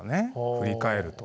振り返ると。